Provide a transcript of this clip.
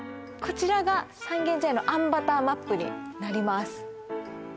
こちらが三軒茶屋のあんバターマップになります